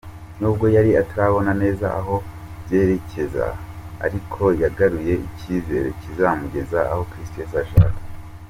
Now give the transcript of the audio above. Nubwo yari atarabona neza aho byerekeza ariko yagaruye icyizere kizamugeza aho Kristu Yezu ashaka.